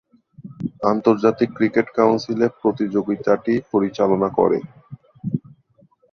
আন্তর্জাতিক cricket council এ প্রতিযোগিতাটি পরিচালনা করে।